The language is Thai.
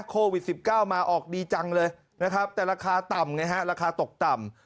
โควิด๑๙มาออกดีจังเลยนะครับแต่ราคาต่ำไงฮะราคาตกต่ำ